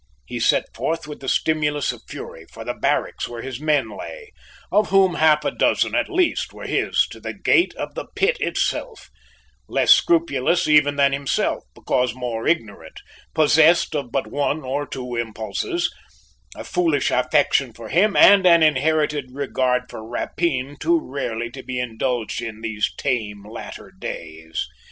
He set forth with the stimulus of fury for the barracks where his men lay, of whom half a dozen at least were his to the gate of the Pit itself, less scrupulous even than himself because more ignorant, possessed of but one or two impulses a foolish affection for him and an inherited regard for rapine too rarely to be indulged in these tame latter days.